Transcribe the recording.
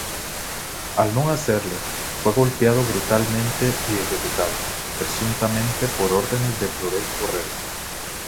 Al no hacerlo, fue golpeado brutalmente y ejecutado, presuntamente por órdenes de Flores Borrego.